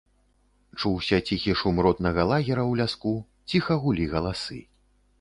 Чуўся ціхі шум ротнага лагера ў ляску, ціха гулі галасы.